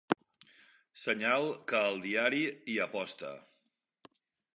Senyal que el diari hi aposta.